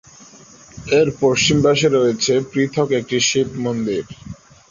এর পশ্চিম পাশে রয়েছে পৃথক একটি শিব মন্দির।